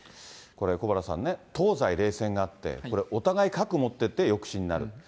これ、小原さんね、東西冷戦があって、これ、お互い核持ってて、抑止になる。